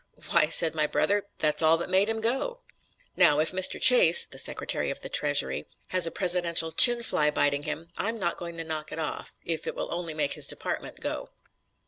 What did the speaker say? "'Why,' said my brother,'that's all that made him go.'" "Now if Mr. Chase (the Secretary of the Treasury) has a presidential 'chin fly' biting him, I'm not going to knock it off, if it will only make his department go."